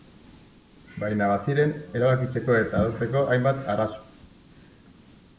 Baina baziren erabakitzeko eta adosteko hainbat arazo.